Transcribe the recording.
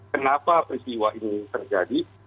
kenapa peristiwa ini terjadi